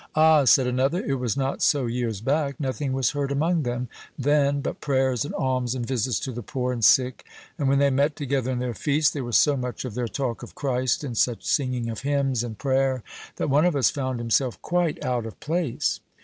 "Ah," said another, "it was not so years back. Nothing was heard among them, then, but prayers, and alms, and visits to the poor and sick; and when they met together in their feasts, there was so much of their talk of Christ, and such singing of hymns and prayer, that one of us found himself quite out of place."